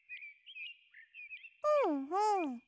ふんふん。